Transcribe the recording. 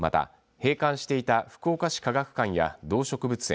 閉館していた福岡市科学館や動植物園